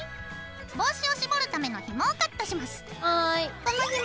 帽子を絞るためのひもをカットします。